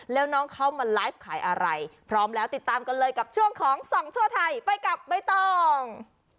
แล้วน้องเขามาไลฟ์ขายอะไรพร้อมแล้วติดตามกันเลยกับช่วงของส่องทั่วไทยไปกับใบตอง